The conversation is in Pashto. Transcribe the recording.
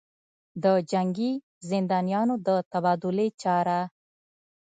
دجنګي زندانیانودتبادلې چاره